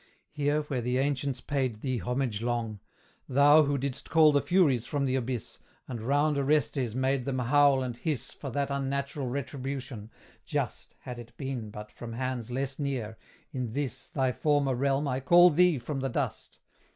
Here, where the ancients paid thee homage long Thou, who didst call the Furies from the abyss, And round Orestes bade them howl and hiss For that unnatural retribution just, Had it but been from hands less near in this Thy former realm, I call thee from the dust!